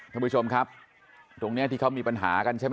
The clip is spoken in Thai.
ท่านผู้ชมครับตรงนี้ที่เขามีปัญหากันใช่ไหม